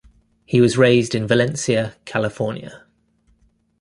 He was raised in Valencia, California.